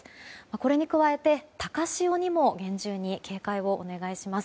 これに加えて、高潮にも厳重に警戒をお願いします。